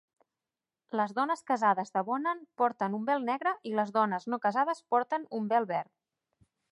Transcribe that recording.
Les dones casades de Bonan porten un vel negre i les dones no casades porten un vel verd.